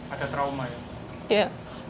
ada trauma ya